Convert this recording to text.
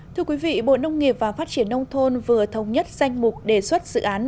thưa quý vị bộ nông nghiệp và phát triển nông thôn vừa thống nhất danh mục đề xuất dự án